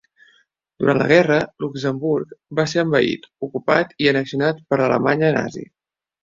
Durant la guerra, Luxemburg va ser envaït, ocupat i annexionat per l'Alemanya nazi.